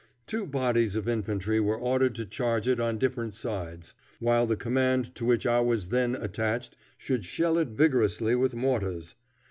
Two bodies of infantry were ordered to charge it on different sides, while the command to which I was then attached should shell it vigorously with mortars.